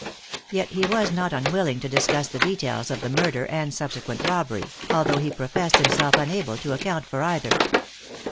Yet he was not unwilling to discuss the details of the murder and subsequent robbery, although he professed himself unable to account for either.